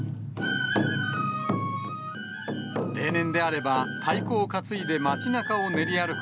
例年であれば太鼓を担いで街なかを練り歩く